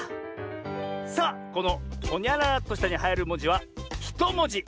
さあこの「ほにゃららっとした」にはいるもじは１もじ。